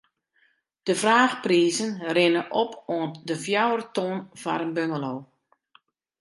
De fraachprizen rinne op oant de fjouwer ton foar in bungalow.